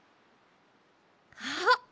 あっ！